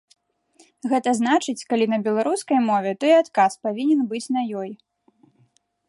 Гэта значыць, калі на беларускай мове, то і адказ павінен быць на ёй.